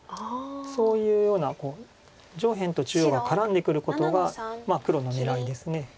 そういうような上辺と中央が絡んでくることが黒の狙いです。